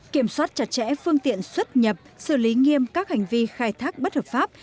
kiểm soát chặt chẽ phương tiện xuất nhập xử lý nghiêm các hành vi khai thác bất hợp pháp